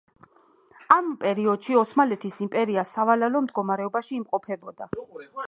ამ პერიოდში ოსმალეთის იმპერია სავალალო მდგომარეობაში იმყოფებოდა.